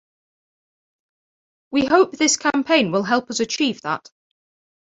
We hope this campaign will help us achieve that.